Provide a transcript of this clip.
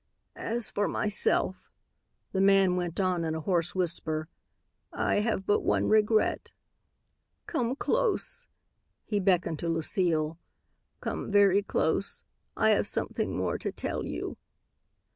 "As for myself," the man went on in a hoarse whisper, "I have but one regret. "Come close," he beckoned to Lucile. "Come very close. I have something more to tell you."